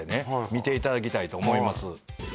見ていただきたいと思います